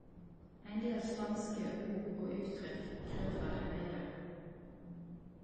Ein del spanske ord og uttrykk krydra det heile.